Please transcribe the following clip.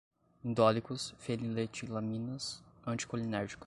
indólicos, feniletilaminas, anticolinérgicos